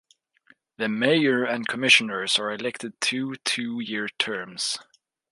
The mayor and commissioners are elected to two year terms.